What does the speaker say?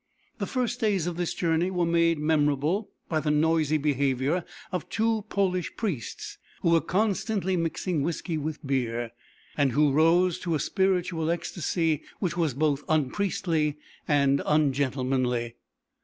The first days of this journey were made memorable by the noisy behaviour of two Polish priests who were constantly mixing whiskey with beer, and who rose to a spiritual ecstasy which was both unpriestly and ungentlemanly.